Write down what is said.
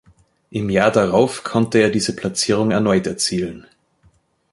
Im Jahr darauf konnte er diese Platzierung erneut erzielen.